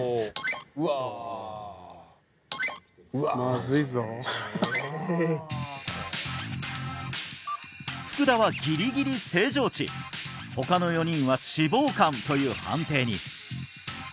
まずいぞ福田はギリギリ正常値他の４人は脂肪肝という判定に！